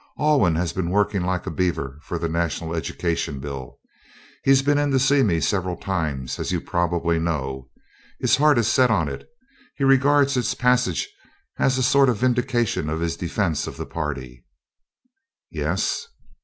Alwyn has been working like a beaver for the National Education Bill. He's been in to see me several times, as you probably know. His heart is set on it. He regards its passage as a sort of vindication of his defence of the party." "Yes."